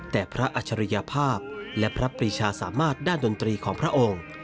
แต่พระอัจฉริยภาพและพระปรีชาสามารถด้านดนตรีของพระองค์